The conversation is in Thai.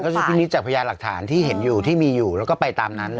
พินิษจากพยานหลักฐานที่เห็นอยู่ที่มีอยู่แล้วก็ไปตามนั้น